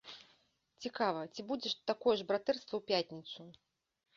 Цікава, ці будзе такое ж братэрства ў пятніцу?